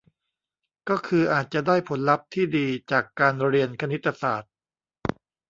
ก็คืออาจจะได้ผลลัพธ์ที่ดีจากการเรียนคณิตศาสตร์